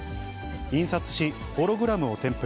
印刷し、ホログラムを添付。